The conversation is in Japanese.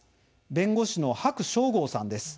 弁護士の白承豪さんです。